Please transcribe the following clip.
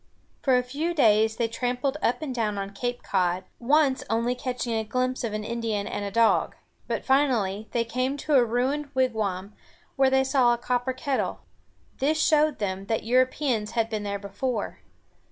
For a few days they tramped up and down on Cape Cod, once only catching a glimpse of an Indian and a dog. But finally they came to a ruined wigwam, where they saw a copper kettle. This showed them that Europeans had been there before.